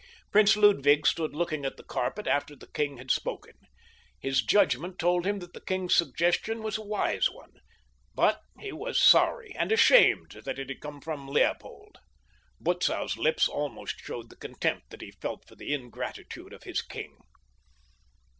Prince Ludwig stood looking at the carpet after the king had spoken. His judgment told him that the king's suggestion was a wise one; but he was sorry and ashamed that it had come from Leopold. Butzow's lips almost showed the contempt that he felt for the ingratitude of his king.